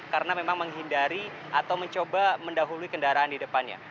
karena memang menghindari atau mencoba mendahului kendaraan di depannya